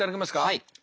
はい。